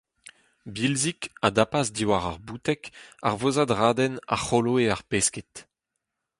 Bilzig a dapas diwar ar bouteg ar vozad raden a c’holoe ar pesked.